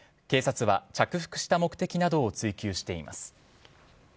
警察は着服した目的などを追及しています。